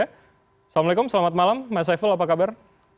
assalamualaikum selamat malam mas saiful apa kabar